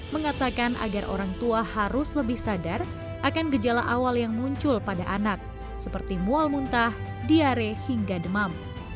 mengatakan agar orang tua harus lebih sadar akan gejala awal yang muncul pada anak seperti mual muntah diare hingga demam